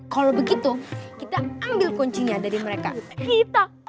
kalau begitu kita ambil kuncinya dari mereka